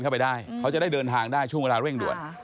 เข้าไปได้เขาจะได้เดินทางได้ช่วงเวลาเร่งด่วน